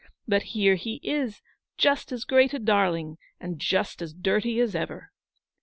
But here he is, just as great a darling, and just as dirty as ever."